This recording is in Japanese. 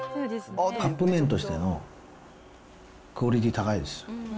カップ麺としてのクオリティー高いです。